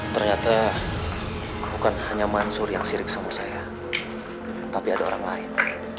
ternyata bukan hanya mansur yang sirik sama saya tapi ada orang lain